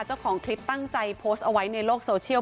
เจ้าของคลิปตั้งใจโพสต์เอาไว้ในโลกโซเชียล